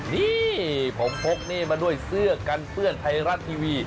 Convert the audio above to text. นี่ผมพกหนี้มาด้วยเสื้อกันเปื้อนไทยรัฐทีวี